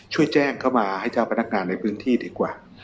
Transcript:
ช่วยแจ้งเข้ามาให้เจ้าพนักงานในพื้นที่ดีกว่า